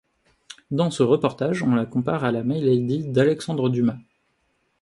Dans ce reportage, on la compare à la Milady d'Alexandre Dumas.